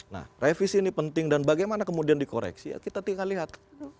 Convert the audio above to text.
nah revisi ini penting dan bagaimana kemudian dikoreksi ya kita tinggal lihat